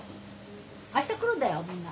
あした来るんだよみんな。